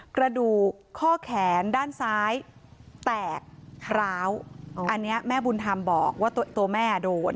กระดูกข้อแขนด้านซ้ายแตกร้าวอันนี้แม่บุญธรรมบอกว่าตัวแม่โดน